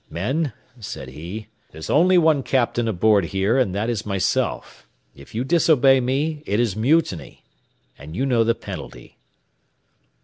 "Men," said he, "there's only one captain aboard here, and that is myself. If you disobey me, it is mutiny, and you know the penalty."